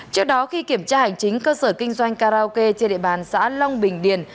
trước đó khi kiểm tra hành chính cơ sở kinh doanh karaoke trên địa bàn xã long bình điền